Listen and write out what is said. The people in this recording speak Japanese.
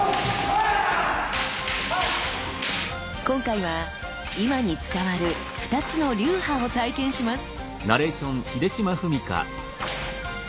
今回は今に伝わる２つの流派を体験します。